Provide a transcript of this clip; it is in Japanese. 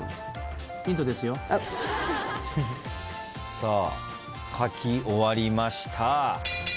さあ書き終わりました。